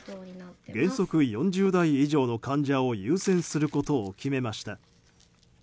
原則４０代以上の患者を優先することを決めました。